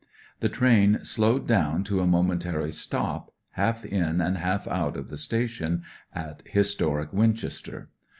The train slowed down to a momentary stop, half in and half out of the station, at historic Winchester.